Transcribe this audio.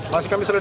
masih kami selidat